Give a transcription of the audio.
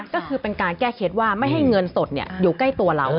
ก็คือเป็นการแก้เคล็ดว่าไม่ให้เงินสดอยู่ใกล้ตัวเรา